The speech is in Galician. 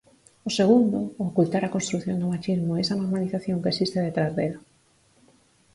O segundo, ocultar a construción do machismo e esa normalización que existe detrás dela.